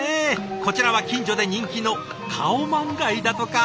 こちらは近所で人気のカオマンガイだとか。